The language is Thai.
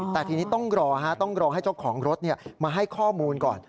แต่ทีนี้ต้องรอต้องรอให้เจ้าของรถมาให้ข้อมูลก่อน